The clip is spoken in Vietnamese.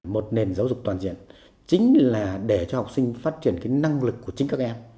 một nền giáo dục toàn diện chính là để cho học sinh phát triển cái năng lực của chính các em